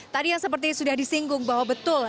tadi yang seperti sudah disinggung bahwa betul